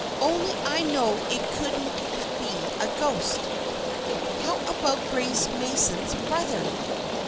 "Only I know it couldn't be a ghost." "How about Grace Mason's brother?"